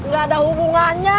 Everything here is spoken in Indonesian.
gak ada hubungannya